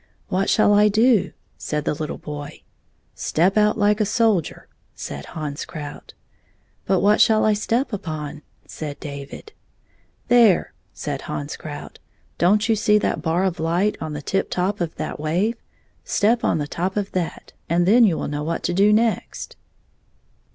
'' What shall I do 1" said the little boy. " Step out like a soldier," said Hans Krout. " But what shall I step upon 1 " said David. " There," said Hans Krout, " don't you see that bar of light on the tip top of that wave 1 Step on the top of that, and then you will know what to do next."